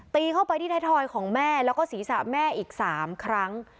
ตีเข้าไปที่ไทยทอยของแม่แล้วก็ศีรษะแม่อีก๓ครั้ง